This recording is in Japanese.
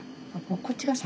こっちが先。